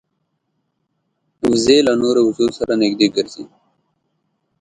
وزې له نورو وزو سره نږدې ګرځي